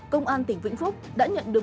công an tỉnh vĩnh phúc đã nhận được